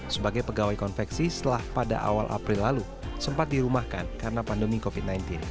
sebagai pegawai konveksi setelah pada awal april lalu sempat dirumahkan karena pandemi covid sembilan belas